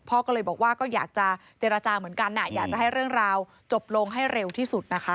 พ่อก็เลยบอกว่าก็อยากจะเจรจาเหมือนกันอยากจะให้เรื่องราวจบลงให้เร็วที่สุดนะคะ